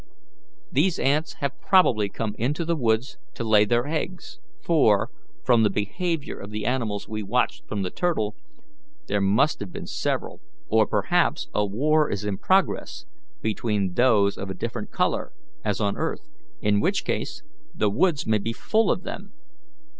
These ants have probably come into the woods to lay their eggs, for, from the behaviour of the animals we watched from the turtle, there must have been several; or perhaps a war is in progress between those of a different colour, as on earth, in which case the woods may be full of them.